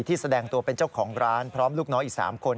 แสดงตัวเป็นเจ้าของร้านพร้อมลูกน้องอีก๓คน